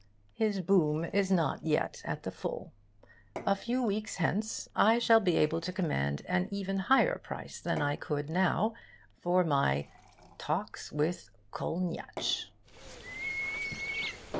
His boom is not yet at the full. A few weeks hence I shall be able to command an even higher price than I could now for my 'Talks with Kolniyatsch.